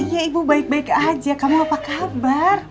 ya ibu baik baik aja kamu apa kabar